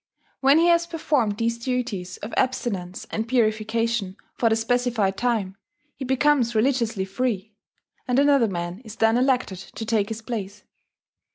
When he has performed these duties of abstinence and purification for the specified time, he becomes religiously free; and another man is then elected to take his place.